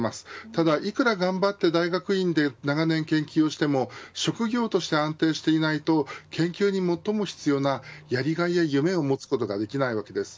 ただいくら頑張って大学院で長年研究をしても職業として安定していないと研究に最も必要なやりがいや夢を持つことができないわけです。